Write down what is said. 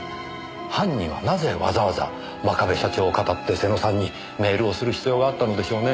犯人はなぜわざわざ真壁社長を騙って瀬野さんにメールをする必要があったのでしょうね？